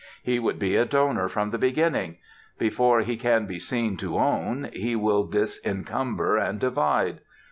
He would be a donor from the beginning; before he can be seen to own, he will disencumber, and divide.